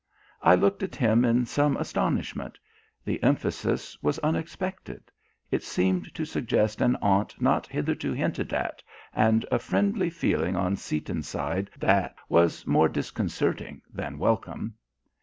I looked at him in some astonishment; the emphasis was unexpected. It seemed to suggest an aunt not hitherto hinted at, and a friendly feeling on Seaton's side that was more disconcerting than welcome.